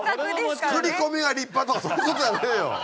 作り込みが立派とかそういうことじゃねえよ！